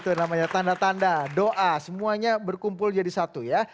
itu namanya tanda tanda doa semuanya berkumpul jadi satu ya